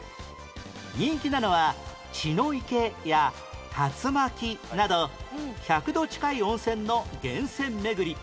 人気なのは血の池や龍巻など１００度近い温泉の源泉めぐり